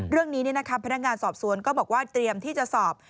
เรื่องนี้พนักงานสอบสวนก็บอกว่าเตรียมที่จะสอบ